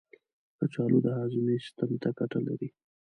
کچالو د هاضمې سیستم ته ګټه لري.